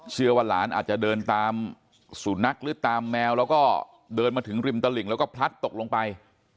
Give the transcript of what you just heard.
เชื่อว่าหลานอาจจะเดินตามสูนักหรือตามแมวแล้วก็เดินมาถึงริมตลิ่งแล้วก็พลัดตกลงไป